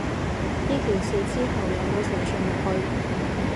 呢件事之後有無承傳落去？